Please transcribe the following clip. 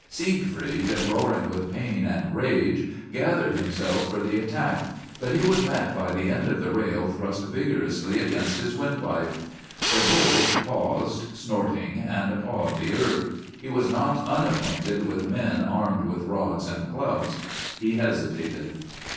Siegfried, roaring with pain and rage, gathered himself for the attack, but he was met by the end of the rail thrust vigorously against his windpipe. The bull paused, snorting, and pawed the earth. He was not unacquainted with men armed with rods and clubs; he hesitated.